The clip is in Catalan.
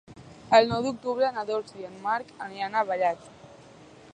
El nou d'octubre na Dolça i en Marc aniran a Vallat.